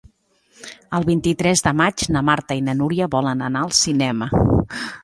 El vint-i-tres de maig na Marta i na Nura volen anar al cinema.